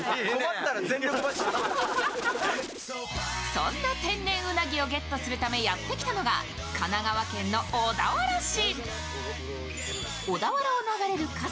そんな天然うなぎをゲットするためやってきたのが神奈川県の小田原市。